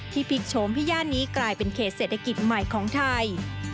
พลิกโฉมให้ย่านนี้กลายเป็นเขตเศรษฐกิจใหม่ของไทย